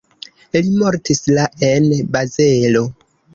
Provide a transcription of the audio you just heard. Li mortis la en Bazelo.